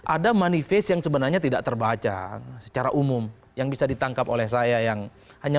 ada manifest yang sebenarnya tidak terbaca secara umum yang bisa ditangkap oleh saya yang hanya